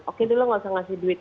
oke dulu nggak usah ngasih duit